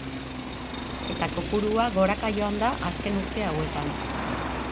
Eta kopurua goraka joan da azken urte hauetan.